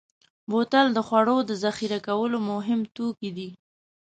بوتل د خوړو د ذخیره کولو مهم توکی دی.